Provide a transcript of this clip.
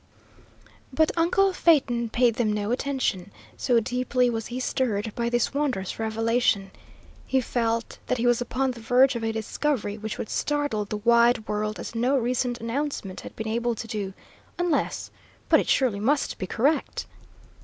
But uncle Phaeton paid them no attention, so deeply was he stirred by this wondrous revelation. He felt that he was upon the verge of a discovery which would startle the wide world as no recent announcement had been able to do, unless but it surely must be correct!